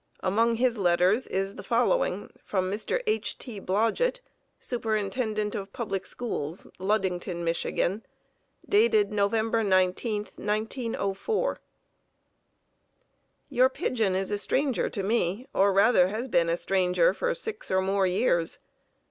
Among his letters is the following from Mr. H. T. Blodgett, Superintendent of Public Schools, Ludington, Mich., dated November 19, 1904: ... Your pigeon is a stranger to me, or rather has been a stranger for six or more years.